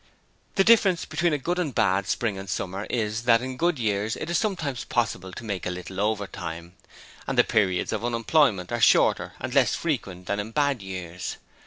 The difference between a good and bad spring and summer is that in good years it is sometimes possible to make a little overtime, and the periods of unemployment are shorter and less frequent than in bad years.